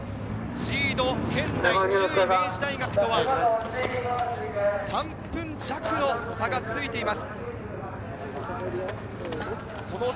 シード圏内、１０位・明治大学とは３分弱の差がついています。